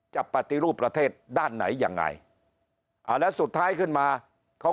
ปฏิรูปประเทศด้านไหนยังไงอ่าแล้วสุดท้ายขึ้นมาเขา